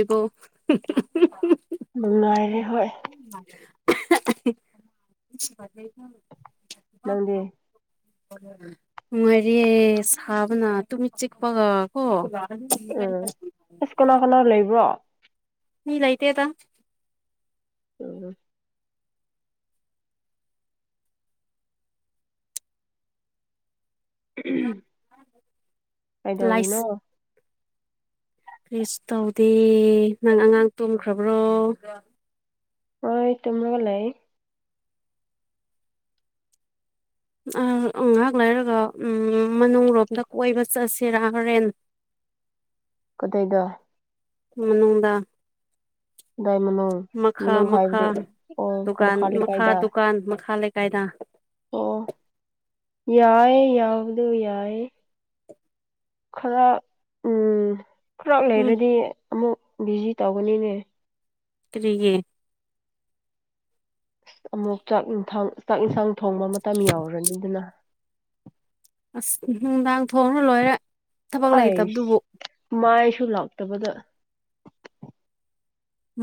ꯏꯕꯣ ꯅꯨꯡꯅꯨꯡꯉꯥꯏꯔꯦ ꯍꯣꯏ ꯅꯪꯗꯤ [inaudible] ꯉꯥꯏꯔꯦ ꯁꯥꯕꯅ ꯇꯨꯃꯤꯠ ꯆꯤꯛꯄꯒ ꯀꯣ [inaudible] ꯎꯝ ꯑꯁ ꯀꯅꯥ ꯀꯅꯥ ꯂꯩꯕ꯭ꯔꯣ ꯃꯤ ꯂꯩꯥꯏꯇ ꯇ ꯎꯝ ꯎ ꯍꯥꯏꯗꯧꯅꯤꯅꯣ ꯀꯔꯤꯁꯨ ꯇꯧꯗꯦ ꯅꯪ ꯑꯉꯥꯡ ꯇꯨꯝꯈ꯭ꯔꯕ꯭ꯔꯣ ꯑ ꯇ꯭ꯔꯒ ꯂꯩꯥꯏ ꯉꯥꯏꯍꯥꯛ ꯂꯩꯔꯒ ꯃꯅꯨꯡꯂꯣꯝꯗ ꯀꯣꯏꯕ ꯆꯠꯁꯤꯔꯥ ꯍꯣꯔꯦꯟ ꯀꯗꯩꯒ ꯃꯅꯅꯨꯡꯗ ꯀꯗꯥꯏ ꯃꯅꯨꯡ ꯃꯥ ꯃꯅꯨꯡ ꯃꯥ ꯍꯥꯏꯕꯗꯤ ꯑꯣ ꯗꯨꯀꯥꯟ ꯃꯈꯥ ꯃꯥ ꯂꯩꯀꯥꯏꯗ ꯗꯨꯀꯥꯟ ꯃꯥ ꯂꯩ ꯀꯥꯏꯗ ꯑꯣ ꯌꯥꯏꯦ ꯌꯥꯎꯗꯣ ꯌꯥꯏꯦ ꯈꯔ ꯈꯔ ꯎꯝ ꯂꯩꯔꯗꯤ ꯑꯃꯨꯛ ꯕꯤꯖꯤ ꯇꯧꯒꯅꯤꯅꯦ ꯇꯔꯤꯌꯦ ꯑꯃꯨꯛ ꯆꯥꯛꯟꯥꯡ ꯆꯥꯛ ꯏꯟꯁꯥꯡ ꯊꯣꯡꯕ ꯃꯇꯝ ꯌꯥꯎꯔꯅꯤ ꯑꯗꯨꯅ ꯑꯁ ꯅꯨꯡꯗꯥꯡ ꯊꯣꯡꯅ ꯂꯣꯏꯔꯦ ꯊꯕꯛ ꯑꯩꯁ ꯂꯩꯇꯕꯗꯨꯕꯨ ꯃꯥꯏꯁꯨ ꯂꯥꯛꯇꯕꯗ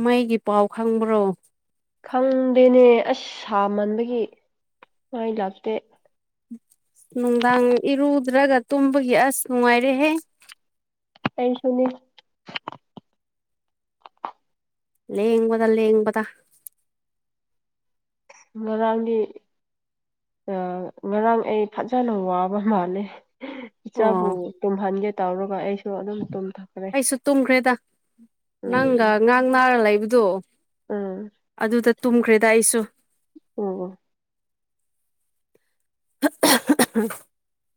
ꯃꯩꯒꯤ ꯄꯥꯎ ꯈꯪꯕ꯭ꯔꯣ ꯈꯪꯗꯦꯅꯦ ꯑꯁ ꯁꯥꯃꯟꯕꯒꯤ ꯃꯥꯏ ꯂꯥꯞꯇꯦ ꯅꯨꯡꯗꯥꯡ ꯏꯔꯨꯗ꯭ꯔꯒ ꯇꯨꯝꯕꯒꯤ ꯑꯁ ꯅꯨꯡꯉꯥꯏꯔꯦꯍꯦ ꯑꯩꯁꯨꯅꯤ ꯂꯦ ꯌꯦꯡꯕꯗ ꯂꯩꯦ ꯌꯦꯡꯕꯗ ꯉꯣꯏꯔꯥꯡꯒꯤ ꯑ ꯉꯔꯥꯡ ꯑꯩ ꯐꯖꯅ ꯋꯥꯕ ꯃꯥꯂꯦ ꯏꯆꯥꯕꯨ ꯑꯣ ꯇꯨꯝꯍꯟꯒꯦ ꯇꯧꯔꯒ ꯑꯩꯁꯨ ꯑꯗꯨꯝꯨꯝ ꯑꯩꯁꯨ ꯇꯨꯝꯈ꯭ꯔꯦꯗ ꯅꯪꯒ ꯎꯝ ꯉꯥꯡ ꯅꯥꯔ ꯂꯩꯕꯗꯣ ꯎꯝ ꯑꯗꯨꯗ ꯇꯨꯝꯈ꯭ꯔꯦꯗ ꯑꯩꯁꯨ ꯑꯣ [unintelligible]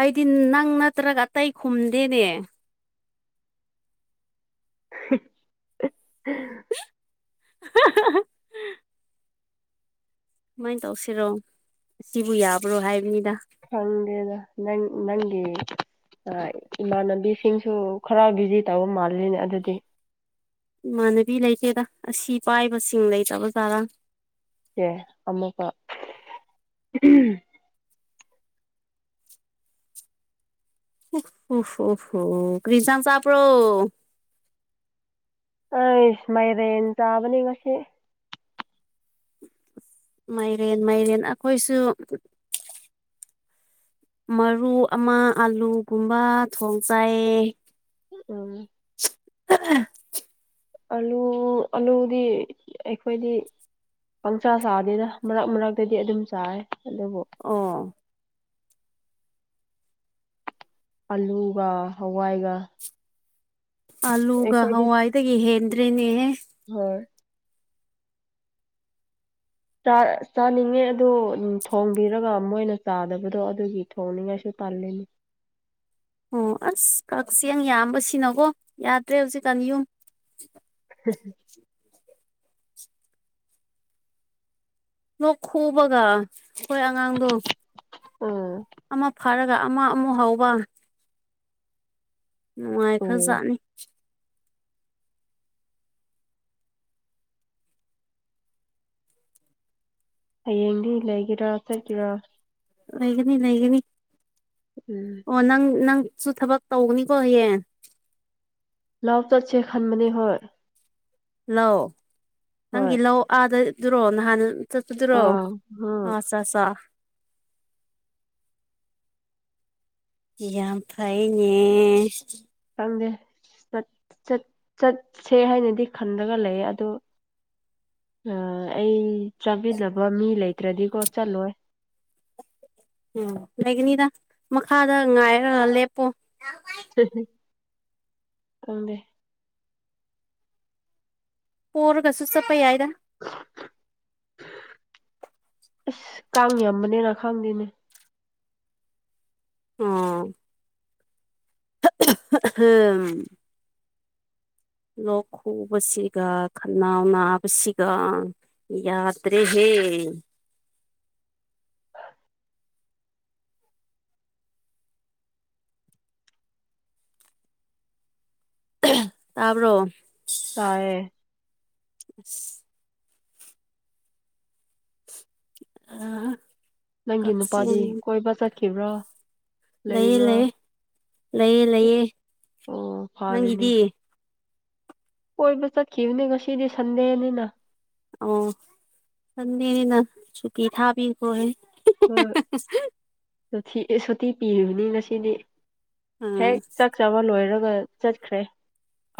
ꯑꯩꯗꯤ ꯅꯪ ꯅꯠꯇ꯭ꯔꯒ ꯑꯇꯩ ꯈꯨꯝꯗꯦꯅꯦ [unintelligible] ꯑ ꯁꯨꯃꯥꯏꯅ ꯇꯧꯁꯤꯔꯣ ꯁꯤꯕꯨ ꯌꯥꯕ꯭ꯔꯣ ꯍꯥꯏꯕꯅꯤꯗ ꯍꯪꯦꯗ ꯅ ꯏꯃꯥꯟꯅꯕꯤꯁꯤꯡꯁꯨ ꯈꯔ ꯚꯤꯖꯤ ꯇꯧꯕ ꯃꯥꯜꯂꯤꯅꯦ ꯑꯗꯨꯗꯤ ꯏꯃꯥꯟꯅꯕꯤ ꯂꯩꯇꯦꯗ ꯑꯁꯤ ꯄꯥꯏꯕꯁꯤꯡ ꯂꯩꯇ꯭ꯔꯕ ꯖꯥꯔꯥ ꯑꯦꯦ ꯑꯃꯀ ꯑꯣ ꯍ ꯍꯣ ꯍꯣ ꯀ꯭ꯔꯤꯖꯥꯟ ꯆꯄ꯭ꯔꯣ ꯑ ꯏꯁꯃꯩꯔꯦꯟ ꯇꯥꯕꯅꯤ ꯃꯁꯦ ꯃꯥꯏꯔꯦꯟ ꯃꯥꯏꯔꯦꯟ ꯑꯩꯈꯣꯏꯁꯨ ꯃꯔꯨ ꯑꯃ ꯑꯥꯂꯨꯒꯨꯝꯕ ꯊꯣꯡ ꯆꯥꯏꯌꯦ ꯎꯝ ꯑ ꯑꯂꯨ ꯑꯂꯨꯗꯤ ꯑꯩꯈꯣꯏꯗꯤ ꯄꯪꯆꯥ ꯆꯥꯗꯦꯅ ꯃꯔꯛ ꯃꯔꯛꯇꯗꯤ ꯑꯗꯨꯝ ꯆꯥꯏꯥꯏ ꯑꯣ ꯑꯂꯨꯒ ꯍꯋꯥꯏꯒ ꯑꯥꯂꯨꯒ ꯑꯩꯈꯣꯏꯗꯤ ꯍꯋꯥꯏꯗꯒꯤ ꯍꯦꯟꯗ꯭ꯔꯦꯅꯦꯍꯦ ꯍꯣꯏ ꯆꯥꯅꯤꯡꯉꯦ ꯑꯣ ꯊꯣꯡꯕꯤꯔꯒ ꯃꯣꯏꯅ ꯆꯥꯗꯕꯗꯣ ꯑꯗꯨꯒꯤ ꯊꯣꯡꯅꯤꯡꯉꯥꯏꯁꯨ ꯄꯥꯂꯅꯤ ꯑꯣ ꯑꯁ ꯀꯛꯆꯦꯡ ꯌꯥꯝꯕꯁꯤꯅꯀꯣ ꯌꯥꯗ꯭ꯔꯦ ꯍꯧꯖꯤꯛꯀꯥꯟ ꯌꯨꯝ ꯎ ꯂꯣꯛ ꯈꯨꯕꯒ ꯑꯩꯈꯣꯏ ꯑꯉꯥꯡꯗꯣ ꯎꯝ ꯑꯃ ꯐꯔꯒ ꯑꯃ ꯑꯃꯨꯛ ꯍꯧꯕ ꯅꯨꯡꯉꯥꯏ ꯑꯣ ꯈꯖꯥꯅꯤ ꯍꯌꯦꯡꯗꯤ ꯂꯩꯒꯦꯔꯥ ꯆꯠꯀꯦꯔ ꯂꯩꯒꯅꯤ ꯂꯩꯒꯅꯤ ꯎꯝ ꯑꯣ ꯅꯪ ꯅꯪ ꯁꯨ ꯊꯕꯛ ꯇꯧꯒꯅꯤꯀꯣ ꯍꯌꯦꯡ ꯂꯥꯎ ꯇꯠꯁꯦ ꯈꯟꯕꯅꯤ ꯍꯣꯏ ꯂꯧ ꯍꯣꯏ ꯅꯪꯒꯤ ꯂꯧ ꯑꯥꯗꯗꯨꯔꯣ ꯅꯍꯥꯟ ꯆ ꯑꯗꯨꯔꯣ ꯑꯥ ꯎꯝ ꯆ ꯆꯁ ꯌꯥ ꯐꯥꯏꯅꯦꯅꯦ ꯈꯪꯗꯦ ꯆꯠꯁꯦ ꯍꯥꯏꯅꯗꯤ ꯈꯟꯂꯒ ꯂꯩꯌꯦ ꯑꯗꯨ ꯑ ꯑꯩ ꯆꯥꯕꯤꯅꯕ ꯃꯤ ꯂꯩꯇ꯭ꯔꯗꯤꯀꯣ ꯆꯠꯂꯣꯏ ꯎꯝ ꯂꯥꯏꯒꯅꯤꯗ ꯃꯈꯥꯗ ꯉꯥꯏꯔ ꯂꯦꯞꯄꯣ ꯇꯗ ꯄꯔꯒꯁꯨ ꯆꯄꯩ ꯌꯥꯏꯗ ꯑꯁ ꯀꯥꯡ ꯌꯥꯝꯕꯅꯦꯅ ꯈꯥꯡꯗꯦꯅꯦ ꯎꯝ ꯎꯝ ꯂꯣꯛ ꯈꯨꯕꯁꯤꯒ ꯈꯅꯥꯎ ꯅꯥꯕꯁꯤꯒ ꯌꯥꯗꯔꯦ ꯍꯦ [unintelligible] ꯇꯕꯔꯣ ꯇꯥꯔꯦ ꯑ [unintelligible] ꯑꯥ ꯅꯪꯒꯤ ꯅꯨꯄꯥꯗꯤ ꯀꯣꯏꯕ ꯆꯠꯈꯤꯕ꯭ꯔꯥ ꯂꯩꯌꯦ ꯂꯩꯕ꯭ꯔꯥ ꯂꯩꯌꯦ ꯂꯩꯌꯦ ꯂꯩꯌꯦ ꯑꯣ ꯐꯥꯔꯦꯅꯦ ꯅꯪꯒꯤꯗꯤ ꯀꯣꯏꯕ ꯆꯠꯈꯤꯕꯅꯦ ꯉꯁꯤꯗꯤ ꯁꯟꯗꯦꯅꯤꯅ ꯑ ꯊꯗꯤꯅꯤꯅ ꯆꯨ ꯊꯥꯕꯤ ꯀꯦ ꯍꯣꯏ ꯁꯣꯊꯤ ꯁꯣꯊꯤ ꯄꯤꯔꯤꯕꯅꯤ ꯉꯁꯤꯗꯤ ꯎꯝ ꯍꯦꯛ ꯆꯥꯛ ꯆꯥꯕ ꯂꯣꯏꯔꯒ ꯆꯠꯈ꯭ꯔꯦ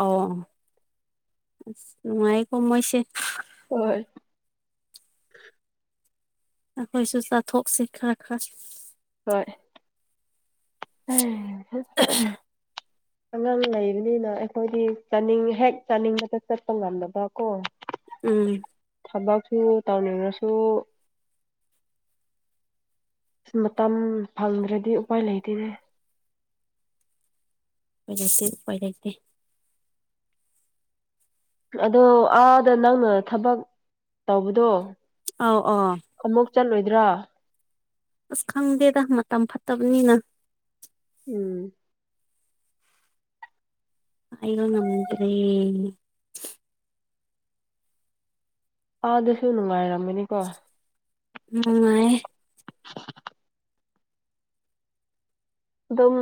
ꯑꯣ ꯅꯅꯨꯡꯉꯥꯏ ꯀꯃꯣꯏꯁꯦ ꯍꯣꯏ ꯑꯩꯈꯣꯏꯁꯨ ꯆꯥꯊꯣꯛꯁꯤ ꯈꯔ ꯈꯔ ꯍꯣꯏ ꯑꯉꯥꯡ ꯂꯩꯕꯅꯤꯅ ꯑꯩꯈꯣꯏꯗꯤ ꯆꯥꯅꯤꯡ ꯍꯦꯛ ꯆꯥꯅꯤꯡꯕꯇ ꯆꯠꯄ ꯉꯝꯗꯕ ꯀꯣ ꯎꯝ ꯇꯧꯅꯤꯡꯉꯥꯁꯨ ꯑꯁ ꯃꯇꯝ ꯐꯪꯗ꯭ꯔꯗꯤ ꯎꯄꯥꯏ ꯂꯩꯇꯦꯅꯦ ꯎꯄꯥꯏ ꯂꯩꯇꯦ ꯑꯗꯣ ꯑꯥꯗ ꯅꯪꯅ ꯊꯕꯛ ꯇꯧꯕꯗꯣ ꯑꯥꯎ ꯑ ꯑꯃꯨꯛ ꯆꯠꯂꯣꯏꯗ꯭ꯔꯥ ꯑꯁ ꯈꯪꯗꯦꯗ ꯃꯇꯝ ꯐꯠꯇꯕꯅꯤꯅ ꯎꯝ ꯑꯣ ꯉꯗ꯭ꯔꯔꯤ ꯑꯥ ꯑꯗꯨꯁꯨ ꯅꯨꯡꯉꯥꯏꯔꯝꯃꯅꯤꯀꯣ ꯅꯨꯉꯥꯏꯌꯦ [unintelligible] ꯑꯗꯨꯝ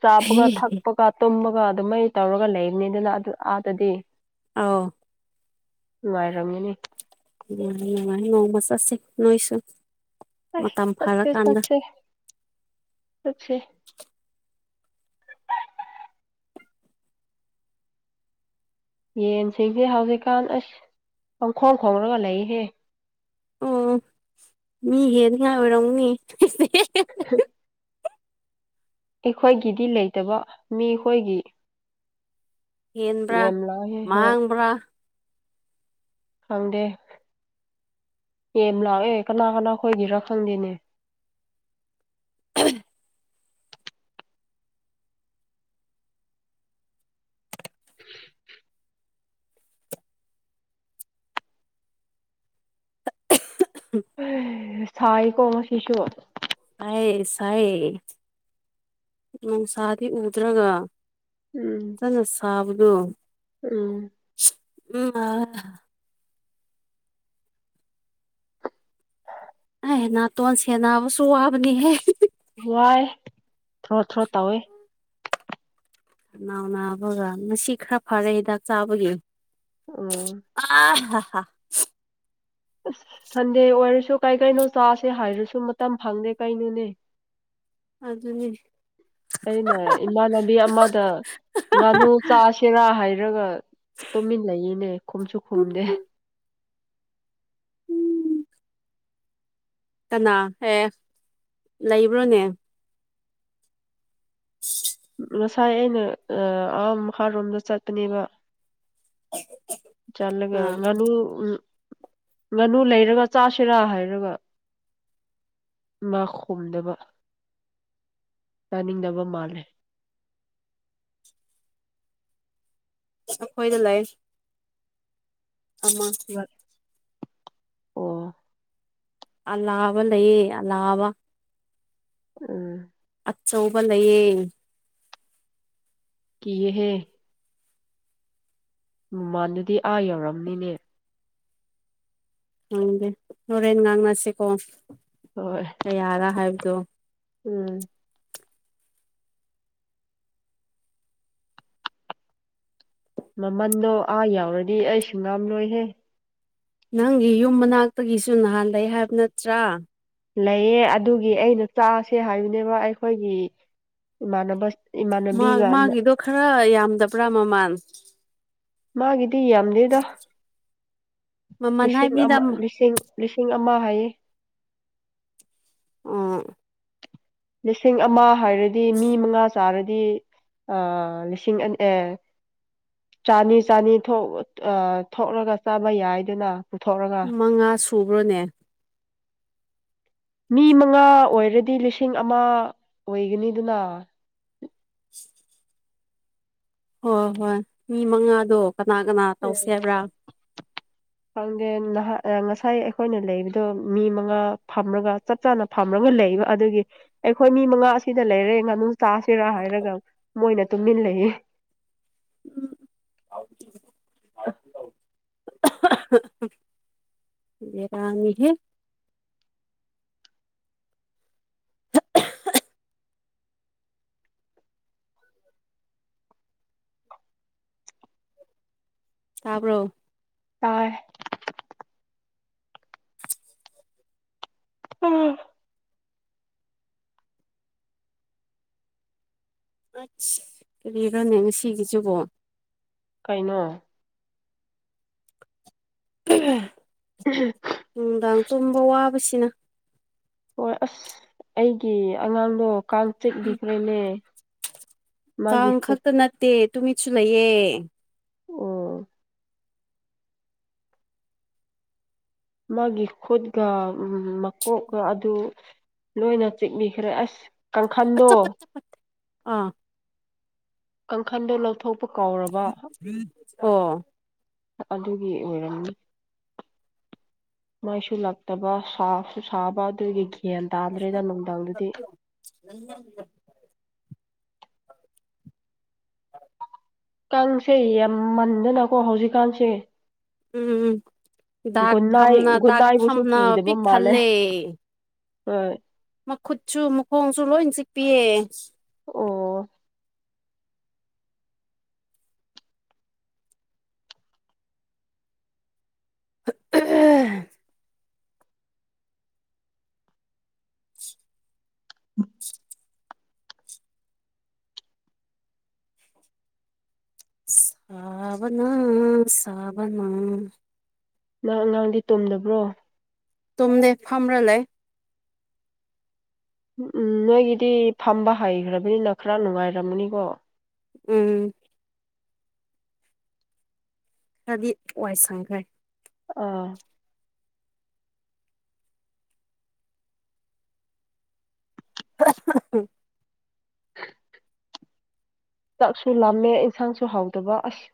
ꯆꯥꯕꯒ ꯊꯛꯄꯒ ꯇꯨꯝꯃ ꯕꯒꯥ ꯑꯗꯨꯒ ꯑꯗꯨꯃꯥꯏ ꯇꯧꯔꯒ ꯂꯩꯕꯅꯤ ꯑꯗꯨꯅ ꯑꯗꯨ ꯑꯥꯗꯗꯤ ꯑꯑꯧ ꯅꯨꯉꯥꯏꯔꯝꯅꯤ ꯌꯥꯥꯏ ꯅꯣꯡꯃꯥ ꯆꯠꯁꯤ ꯅꯣꯏꯁꯨ ꯃꯇꯝ ꯆꯠꯁꯦ ꯐꯔꯀꯥꯟꯗ ꯆꯠꯁꯦ꯫ ꯆꯠꯁꯦ꯫ ꯌꯦꯟꯁꯤꯡꯁꯦ ꯍꯧꯖꯤꯛꯀꯥꯟ ꯑꯁ ꯑꯃꯪꯈꯣꯡ ꯈꯣꯡꯡꯂꯒ ꯂꯩꯍꯦ ꯑꯣ ꯃꯤ ꯍꯦꯅꯤꯡ ꯉꯥꯏ ꯑꯣꯏꯔꯝꯅꯤ [unintelligible] ꯑꯩꯈꯣꯏꯒꯤꯗꯤ ꯂꯩꯇꯕ ꯃꯤꯈꯣꯏꯒꯤ ꯍꯦꯟꯕ꯭ꯔꯥ ꯌꯥꯝ ꯂꯥꯛꯑꯦ ꯃꯥꯡꯕ꯭ꯔꯥ ꯐꯪꯗꯦ ꯌꯦ ꯂꯥꯛꯑꯦ ꯀꯅꯥ ꯀꯅꯥ ꯈꯣꯏꯒꯤꯔꯥ ꯈꯪꯗꯦꯅꯦ [unintelligible] ꯎ ꯁꯥꯏꯀꯣ ꯉꯁꯤꯁꯨ ꯁꯥꯏ ꯁꯥꯏꯌꯦ ꯎꯅꯨꯡꯁꯗꯤ ꯎꯗ꯭ꯔꯒ ꯎꯝ ꯆꯂ ꯁꯥꯕꯗꯨ ꯎꯝ ꯎꯝ ꯑ ꯅꯥꯇꯣꯟ ꯁꯦ ꯅꯥꯕꯁꯨ ꯋꯥꯕꯅꯤꯍꯦ ꯋꯥꯏ ꯊ꯭ꯔꯣ ꯊ꯭ꯔꯣ ꯇꯧꯋꯦ ꯅꯥꯎꯅꯥꯕꯒ ꯉꯁꯤ ꯈꯔ ꯐꯔꯦ ꯍꯤꯗꯥꯛ ꯆꯥꯕꯒꯤ ꯎꯝ ꯑ ꯍ ꯍ ꯑꯁ ꯁꯟꯗꯦ ꯑꯣꯏꯔꯁꯨ ꯀꯥꯏ ꯀꯩꯅꯣ ꯆꯥꯁꯦ ꯍꯥꯏꯔꯁꯨ ꯃꯇꯝ ꯐꯪꯗꯦ ꯀꯩꯅꯣꯅꯦ ꯑꯗꯨꯅꯦ ꯑꯩꯅ ꯏꯃꯥꯟꯅꯕꯤ ꯑꯃꯗ ꯉꯥꯅꯨ ꯆꯥꯥꯁꯦꯔꯥ ꯍꯥꯏꯔ ꯔꯒ ꯇꯨꯝꯃꯤꯟ ꯂꯩꯌꯦꯅꯦ ꯈꯨꯝꯁꯨ ꯈꯨꯝꯗꯦ ꯎꯝ ꯀꯅꯥꯍꯦꯛ ꯂꯩꯕ꯭ꯔꯣꯅꯦ [unintelligible] ꯉꯥꯏ ꯑꯩꯅ ꯑ ꯃꯈꯥꯔꯣꯝꯗ ꯆꯠꯄꯅꯦꯕ ꯆꯂꯒ ꯑꯥ ꯉꯅꯨ ꯎ ꯉꯥꯅꯨ ꯂꯩꯔꯒ ꯆꯥꯁꯤꯔꯥ ꯍꯥꯏꯔꯒ ꯉ ꯈꯣꯝꯗꯕ ꯆꯥꯅꯤꯡꯗꯕ ꯃꯥꯜꯂꯦ ꯑꯈꯣꯏꯗ ꯂꯩ ꯑꯃ ꯑꯣ ꯑꯂꯥꯕ ꯂꯩꯌꯦ ꯑꯂꯥꯕ ꯎꯝ ꯆꯧꯕ ꯂꯩꯌꯦ ꯀꯤꯍꯦ ꯃꯃꯥꯟꯗꯨꯗꯤ ꯑꯥ ꯌꯧꯔꯝꯅꯤꯅꯦ ꯍꯪꯗꯦ ꯍꯣꯔꯦꯟ ꯉꯥꯡꯅꯁꯤꯀꯣ ꯍꯣꯏ ꯀꯌꯥꯔ ꯍꯥꯏꯕꯗꯣ ꯎꯝ ꯃꯃꯟꯗꯣ ꯑꯥ ꯌꯥꯎꯔꯗꯤ ꯑꯩ ꯁꯨꯡꯉꯥꯝ ꯂꯣꯏꯍꯦ ꯅꯪꯒꯤ ꯌꯨꯝ ꯃꯅꯥꯛꯇꯒꯤꯁꯨ ꯅꯍꯥꯟ ꯂꯩ ꯍꯥꯏꯕ ꯅꯠꯇ꯭ꯔꯥ ꯂꯩꯌꯦ ꯑꯗꯨꯒꯤ ꯑꯩꯅ ꯆꯥꯁꯦ ꯍꯥꯏꯝꯅꯦꯕ ꯑꯩꯈꯣꯏꯒꯤ ꯏꯃꯥꯟꯅꯕ ꯃꯥ ꯏꯃꯥꯟꯅꯕꯤꯒ ꯃꯥꯒꯤꯗꯣ ꯈꯔ ꯌꯥꯝꯗꯕ꯭ꯔꯥ ꯃꯃꯜ ꯃꯥꯒꯤꯗꯤ ꯌꯥꯝꯗꯦꯗ ꯃꯃꯜ ꯂꯤꯁꯤꯡ ꯍꯥꯏꯕꯅꯤꯗ ꯑꯃ ꯂꯤꯁꯤꯡ ꯂꯤꯁꯤꯡ ꯑꯃ ꯍꯥꯏꯌꯦ ꯎ ꯂꯤꯁꯤꯡ ꯑꯃ ꯍꯥꯏꯔꯗꯤ ꯃꯤ ꯃꯉꯥ ꯆꯥꯔꯗꯤ ꯑ ꯂꯤꯁꯤꯡ ꯑꯅꯤ ꯑꯦ ꯆꯥꯅꯤ ꯆꯥꯅꯤ ꯊꯣꯛ ꯊꯣꯛꯂꯒ ꯆꯥꯃ ꯌꯥꯏꯗꯅ ꯄꯨꯊꯣꯛꯂꯒ ꯃꯉꯥ ꯁꯨꯕ꯭ꯔꯣꯅꯦ ꯃꯤ ꯃꯉꯥ ꯑꯣꯏꯔꯗꯤ ꯂꯤꯁꯤꯡ ꯑꯃ ꯑꯣꯏꯒꯅꯤꯗꯨꯅ ꯍꯣꯏ ꯍꯣꯏ ꯃꯤ ꯃꯉꯥꯗꯣ ꯀꯅꯥ ꯀꯅꯥ ꯎꯝ ꯇꯧꯁꯦ ꯍꯥꯏꯕ꯭ꯔꯥ ꯈꯪꯗꯦ ꯉꯁꯥꯏ ꯑꯩꯈꯣꯏꯅ ꯂꯩꯕꯗꯣ ꯃꯤ ꯃꯉꯥ ꯐꯝꯔꯒ ꯆꯞ ꯆꯥꯅ ꯐꯝꯔꯒ ꯂꯩꯕ ꯑꯗꯨꯒꯤ ꯑꯩꯈꯣꯏ ꯃꯤ ꯃꯉꯥ ꯑꯁꯤꯗ ꯂꯩꯔꯦ ꯉꯥꯅꯨ ꯆꯥꯁꯤꯔꯥ ꯍꯥꯏꯔꯒ ꯃꯣꯏꯅ ꯇꯨꯝꯃꯤꯟ ꯂꯩꯌꯦ [inaudible] ꯕꯦꯔꯥꯅꯤꯍꯦ ꯇꯥꯕ꯭ꯔꯣ ꯇꯥꯏ ꯎꯝ ꯀꯔꯤꯔꯅꯦ ꯑꯁꯤꯒꯤꯁꯤꯕꯣ ꯀꯩꯅꯣ ꯅꯨꯡꯗꯥꯡ ꯆꯨꯝꯕ ꯋꯥꯕꯁꯤꯅ ꯍꯣꯏ ꯑꯁ ꯑꯩꯒꯤ ꯑꯉꯥꯡꯗꯣ ꯀꯥꯡꯆꯤꯠꯂꯤꯈ꯭ꯔꯦꯅꯦ ꯀꯥꯡ ꯈꯛꯇ ꯅꯠꯇꯦ ꯇꯨꯃꯤꯠꯁꯨ ꯂꯩꯌꯦ ꯎ ꯃꯥꯒꯤ ꯈꯨꯠꯒ ꯃꯀꯣꯛꯀ ꯑꯗꯨ ꯂꯣꯏꯅ ꯆꯤꯛꯕꯤꯈ꯭ꯔꯦ ꯑꯁ ꯀꯥꯡꯈꯟꯗꯣ ꯑꯆꯥꯄꯠ ꯆꯄꯠ ꯑꯥ ꯀꯥꯡꯈꯟꯗꯣ ꯂꯧꯊꯣꯛ ꯑꯣ ꯑꯗꯨꯒꯤ ꯑꯣꯏꯔꯅꯤ ꯃꯥꯏꯁꯨ ꯂꯇꯕ ꯁꯥꯁꯨ ꯁꯥꯕ ꯑꯗꯨꯗꯒꯤ [inaudible] [inaudible] ꯀꯥꯡꯁꯦ ꯌꯥꯝꯃꯟꯗꯅꯀꯣ ꯍꯧꯖꯤꯛꯀꯥꯟꯁꯦ ꯎꯝꯤ ꯗꯥꯛ ꯒꯨꯟꯅꯥꯏ ꯐꯝꯅ ꯗꯥꯛ ꯒꯨꯟꯅꯥꯏꯕꯨꯁꯨ ꯐꯝꯅ ꯄꯤꯛ ꯊꯜꯂꯦ ꯎꯝ ꯃꯈꯨꯠꯁꯨ ꯃꯈꯣꯡꯁꯨ ꯂꯣꯏ ꯆꯤꯛꯄꯤꯌꯦ ꯑꯣ ꯑ ꯁꯥꯕꯅꯥ ꯁꯥꯕꯅ ꯅꯍ ꯑꯉꯥꯡꯗꯤ ꯇꯣꯝꯗꯕ꯭ꯔꯣ ꯇꯨꯝꯗꯦ ꯐꯝ꯭ꯔ ꯂꯩ ꯝ ꯎꯝ ꯅꯣꯏꯒꯤꯗꯤ ꯐꯝꯕ ꯍꯩꯈ꯭ꯔꯕꯅꯤꯅ ꯈꯔ ꯅꯨꯡꯉꯥꯏꯔꯝꯃꯅꯤꯀꯣ ꯎꯝ ꯀꯗꯤ ꯋꯥꯏꯁꯪꯈꯦ ꯑꯥ [inaudible] [inaudible] ꯆꯥꯛꯁꯨ ꯂꯥꯝꯃꯦ ꯑꯦꯟꯁꯥꯡꯁꯨ ꯍꯥꯎꯗꯕ ꯑꯁ